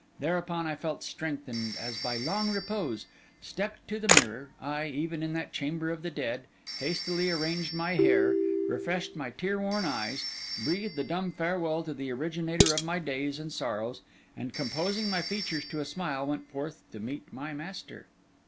Thereupon I felt strengthened as by long repose; stepped to the mirror, ay, even in that chamber of the dead; hastily arranged my hair, refreshed my tear worn eyes, breathed a dumb farewell to the originator of my days and sorrows; and composing my features to a smile, went forth to meet my master.